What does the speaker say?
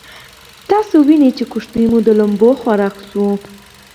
تاسې وينئ چې بېړۍ مو د لمبو خوراک شوې.